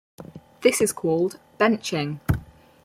This is called "benching".